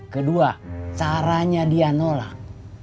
kedua caranya dia nolak